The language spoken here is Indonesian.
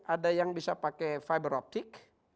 ada yang bisa pakai fiber optic